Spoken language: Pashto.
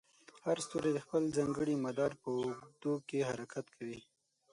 هر ستوری د خپل ځانګړي مدار په اوږدو کې حرکت کوي.